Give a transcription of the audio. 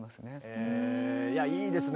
へえいやいいですね。